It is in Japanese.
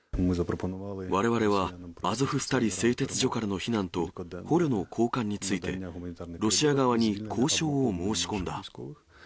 われわれは、アゾフスタリ製鉄所からの避難と、捕虜の交換について、ロシア側に交渉を申し込んだ。